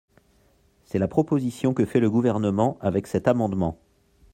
C’est la proposition que fait le Gouvernement avec cet amendement.